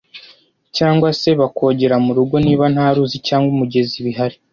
cyangwa se bakogera mu rugo niba nta ruzi cyangwa umugezi Bihari